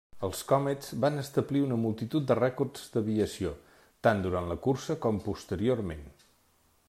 Els Comets van establir una multitud de rècords d'aviació, tant durant la cursa com posteriorment.